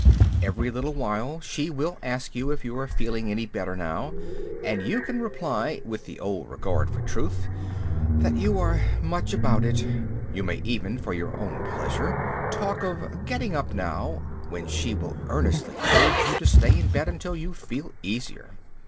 Every little while she will ask you if you are feeling any better now, and you can reply, with the old regard for truth, that you are "much about it." You may even (for your own pleasure) talk of getting up now, when she will earnestly urge you to stay in bed until you feel easier.